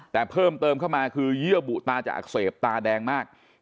แต่เพิ่มเติมเข้ามาคือเยื่อบุตาจะอักเสบตาแดงมาก